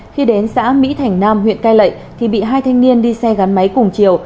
khi đến xã mỹ thành nam huyện cai lệ thì bị hai thanh niên đi xe gắn máy cùng chiều